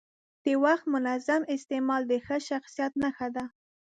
د وخت منظم استعمال د ښه شخصیت نښه ده.